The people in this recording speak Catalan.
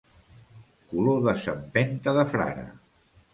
Color de sempenta de frare.